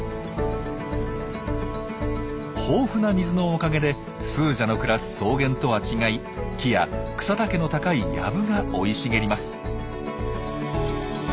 豊富な水のおかげでスージャの暮らす草原とは違い木や草丈の高い藪が生い茂ります。